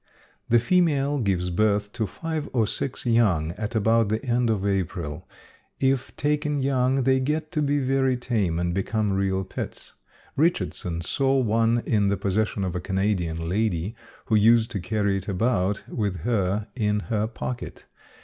The female gives birth to five or six young at about the end of April. If taken young they get to be very tame and become real pets. Richardson saw one in the possession of a Canadian lady who used to carry it about with her in her pocket.